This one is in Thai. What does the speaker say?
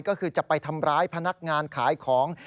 ก็คือจะไปทำร้ายพนักงานขายของ